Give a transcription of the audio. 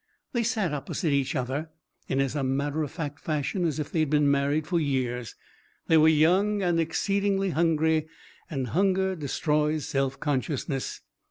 They sat opposite each other, in as matter of fact fashion as if they had been married for years. They were young and exceedingly hungry, and hunger destroys self consciousness.